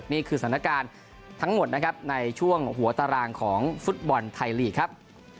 นี่คือสถานการณ์ทั้งหมดนะครับในช่วงหัวตารางของฟุตบอลไทยลีกครับ